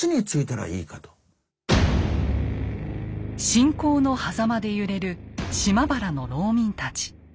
信仰のはざまで揺れる島原の農民たち。